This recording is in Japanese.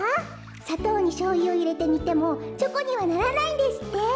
さとうにしょうゆをいれてにてもチョコにはならないんですって！